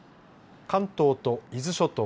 関東と伊豆諸島